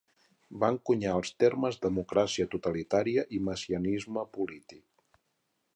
Va encunyar els termes "democràcia totalitària" i "messianisme polític".